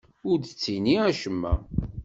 Ur d-ttini acemma.